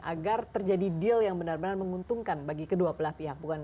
agar terjadi deal yang benar benar menguntungkan bagi kedua belah pihak